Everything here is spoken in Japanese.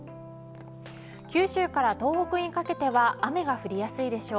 九州から東北にかけては雨が降りやすいでしょう。